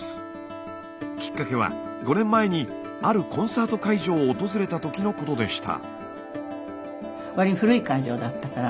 きっかけは５年前にあるコンサート会場を訪れたときのことでした。